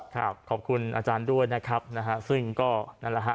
ขอบคุณอาจารย์ด้วยนะครับนะฮะซึ่งก็นั่นแหละฮะ